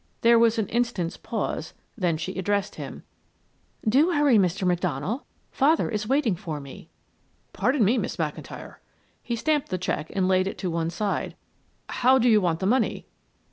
There was an instant's pause, then she addressed him. "Do hurry, Mr. McDonald; father is waiting for me." "Pardon me, Miss McIntyre." He stamped the check and laid it to one side, "how do you want the money?"